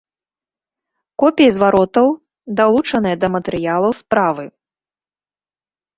Копіі зваротаў далучаныя да матэрыялаў справы.